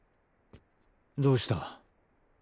どうした？